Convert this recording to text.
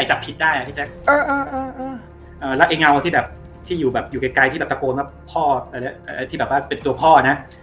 และเฮ้ยเหงาที่อยู่ไกลที่ตะโกนเพื่อเป็นตัวพ่อนะ